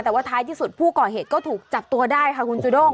แต่ว่าท้ายที่สุดผู้ก่อเหตุก็ถูกจับตัวได้ค่ะคุณจูด้ง